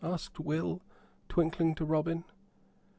asked Will, twinkling to Robin.